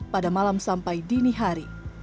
pada malam sampai dini hari